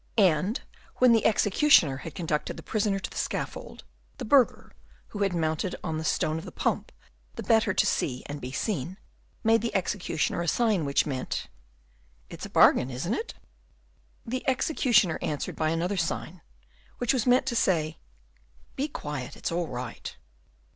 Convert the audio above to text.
And when the executioner had conducted the prisoner to the scaffold, the burgher, who had mounted on the stone of the pump the better to see and be seen, made to the executioner a sign which meant, "It's a bargain, isn't it?" The executioner answered by another sign, which was meant to say, "Be quiet, it's all right."